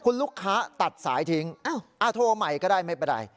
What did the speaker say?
คุณลูกค้าตัดสายทิ้งโทรใหม่ก็ได้ไม่เป็นไร